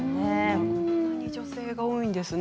こんなに女性が多いんですね。